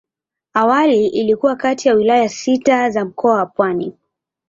Awali ilikuwa kati ya wilaya sita za Mkoa wa Pwani.